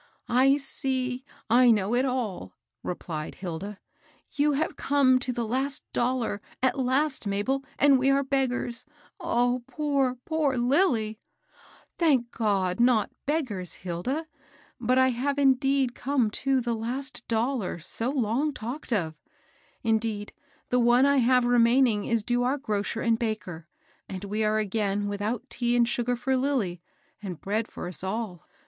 "I see, — I know it all!" rephed Hilda. " You have come to the last dollar, at last, Mabel, and we are beggars 1 Oh, poor, poor Lilly !"" Thank God, not beggars^ Hilda ; but I have indeed come to the last dolkc, ao long^ talked of. THE LAST DOLLAR. 221 Indeed, the one I have remaining is due our gro cer and baker, and we are again without tea and sugar for Lilly, and bread for us all.